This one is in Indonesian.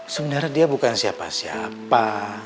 sebenarnya dia bukan siapa siapa